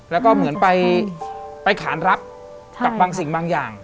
แล้วก็เหมือนไปขานรับกับบางสิ่งบางอย่าง